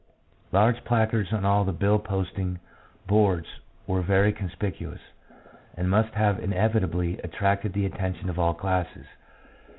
Large placards on all the billposting boards were very conspicuous, and must have inevitably attracted the attention of all classes.